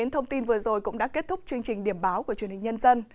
thông tin vừa rồi cũng đã kết thúc chương trình điểm báo của truyền hình nhân dân